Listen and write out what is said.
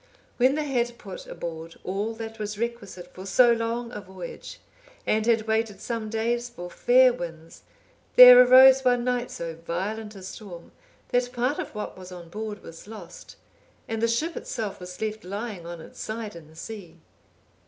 When they had put aboard all that was requisite for so long a voyage, and had waited some days for fair winds, there arose one night so violent a storm, that part of what was on board was lost, and the ship itself was left lying on its side in the sea.